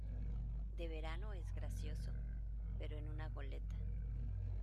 de verano es gracioso, pero en una goleta